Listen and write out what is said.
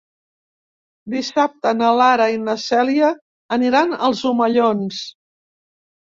Dissabte na Lara i na Cèlia aniran als Omellons.